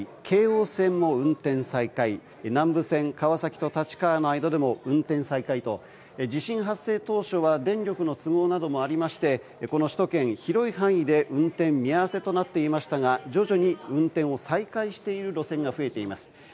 京王線も運転再開南武線、川崎と立川の間でも運転再開と地震発生当初は電力の都合などもありまして首都圏の広い範囲で運転見合わせとなっていましたが徐々に運転を再開している路線が増えています。